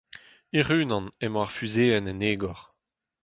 Hec'h-unan emañ ar fuzeenn en egor.